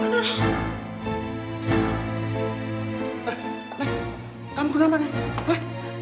nek kamu kenapa nek